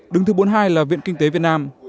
đứng thứ bốn mươi hai là viện kinh tế việt nam